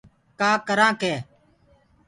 ڪآ ڪرآنٚ ڪي